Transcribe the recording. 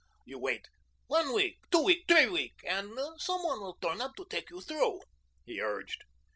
You wait one week two week t'ree week, and some one will turn up to take you through," he urged.